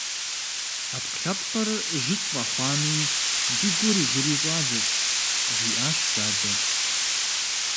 - Ӏэпкълъэпкъыр жьы тфӀэхъуами, ди гур иджыри щӀалэщ, - жиӏащ дадэ.